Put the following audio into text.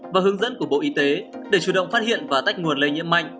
và hướng dẫn của bộ y tế để chủ động phát hiện và tách nguồn lây nhiễm mạnh